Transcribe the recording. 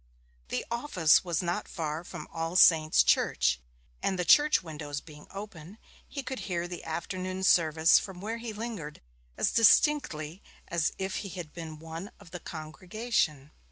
The office was not far from All Saints' Church, and the church windows being open, he could hear the afternoon service from where he lingered as distinctly as if he had been one of the congregation.